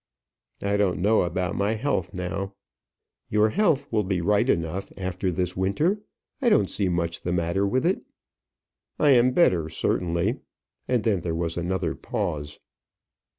"I don't know about my health now." "Your health will be right enough after this winter. I don't see much the matter with it." "I am better, certainly;" and then there was another pause.